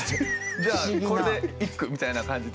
じゃあこれで一句みたいな感じで。